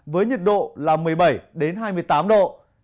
với nhiệt độ là một mươi bảy hai mươi tám độ